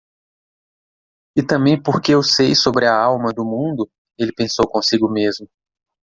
E também porque eu sei sobre a Alma do Mundo,? ele pensou consigo mesmo.